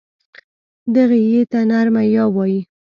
دغې ی ته نرمه یې وايي.